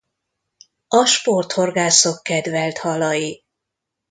A sporthorgászok kedvelt halai.